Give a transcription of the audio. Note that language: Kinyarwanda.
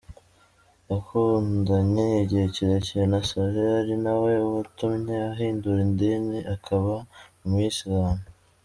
Yakundanye igihe kirekire na Saleh ari na we watumye ahindura idini akaba umuyisilamu.